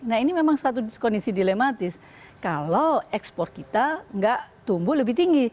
nah ini memang suatu kondisi dilematis kalau ekspor kita nggak tumbuh lebih tinggi